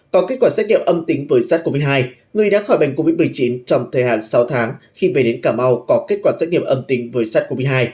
có kết quả xét nghiệm âm tính với sars cov hai người đã khỏi bệnh covid một mươi chín trong thời hạn sáu tháng khi về đến cà mau có kết quả xét nghiệm âm tính với sars cov hai